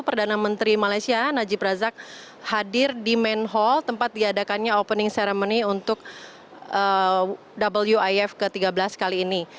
perdana menteri malaysia najib razak hadir di main hall tempat diadakannya opening ceremony untuk wif ke tiga belas kali ini